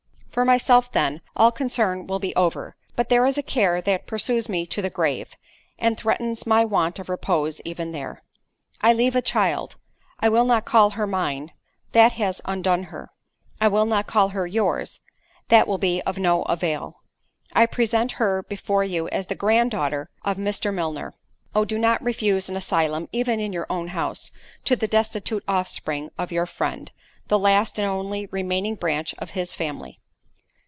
"For myself, then, all concern will be over—but there is a care that pursues me to the grave, and threatens my want of repose even there. "I leave a child—I will not call her mine: that has undone her—I will not call her yours; that will be of no avail—I present her before you as the granddaughter of Mr. Milner. Oh! do not refuse an asylum even in your own house, to the destitute offspring of your friend; the last, and only remaining branch of his family.